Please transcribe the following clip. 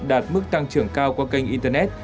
đạt mức tăng trưởng cao qua kênh internet